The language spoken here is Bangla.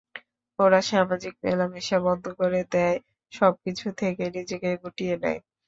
ওরা সামাজিক মেলামেশা বন্ধ করে দেয়, সবকিছু থেকে নিজেকে গুটিয়ে নেয়।